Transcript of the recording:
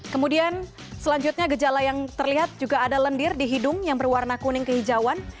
kemudian selanjutnya gejala yang terlihat juga ada lendir di hidung yang berwarna kuning kehijauan